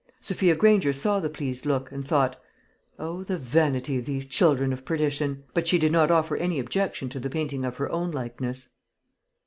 Sophia Granger saw the pleased look, and thought, "O, the vanity of these children of perdition!" But she did not offer any objection to the painting of her own likeness.